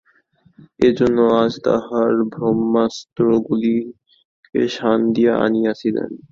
এইজন্য আজ তাঁহার ব্রহ্মাস্ত্রগুলিকে শান দিয়া আনিয়াছিলেন।